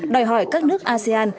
đòi hỏi các nước asean